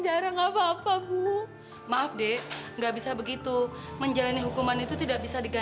jangan pergi ninggalin dia